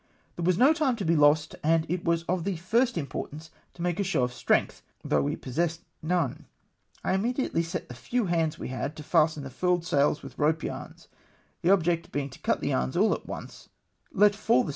There was no time to be lost, and as it was of the first importance to make a show of strength, though we possessed none, I immediately set the few hands we had to fasten the furled sails with rope yarns ; the object being to cut the yarns all at once, let fall the 190 THE FRENCH RUN ASHORE.